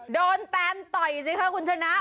โดนแปนต่อยสิค่ะคุณธนา